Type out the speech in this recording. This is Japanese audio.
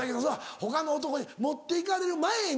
他の男に持って行かれる前に。